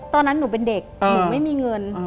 ตอนนั้นหนูเป็นเด็กหนูไม่มีเงิน